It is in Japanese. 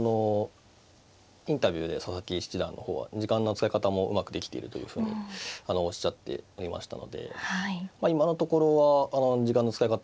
インタビューで佐々木七段の方は時間の使い方もうまくできているというふうにおっしゃっておりましたので今のところは時間の使い方